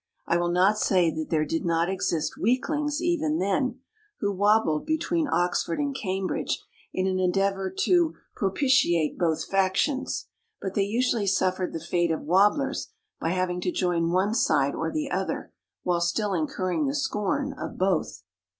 I will not say that there did not exist weaklings even then, who wobbled between Oxford and Cambridge in an endeavour to propitiate OXFORD AND CAMBRIDGE 93 both factions. But they usually suffered the fate of wobblers by having to join one side or the other, while still incurring the scorn of both.